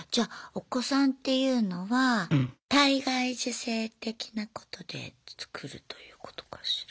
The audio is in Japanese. お子さんっていうのは体外受精的なことでつくるということかしら。